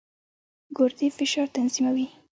ګردې فشار تنظیموي.